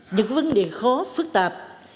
những vấn đề khó phức tạp